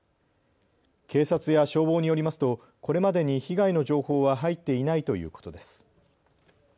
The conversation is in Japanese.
警察や消防によりますとこれまでに被害の情報は入っていないということです。